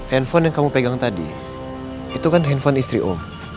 handphone yang kamu pegang tadi itu kan handphone istri om